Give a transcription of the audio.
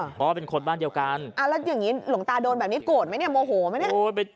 เพราะว่าเป็นคนบ้านเดียวกันแล้วอย่างนี้หลวงตาโดนแบบนี้โกรธไหมเนี่ยโมโหไหมเนี่ย